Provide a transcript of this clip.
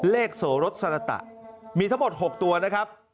โสรสสรตะมีทั้งหมด๖ตัวนะครับ